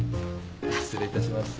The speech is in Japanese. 失礼いたします。